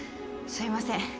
すいません。